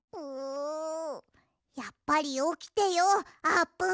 やっぱりおきてようあーぷん。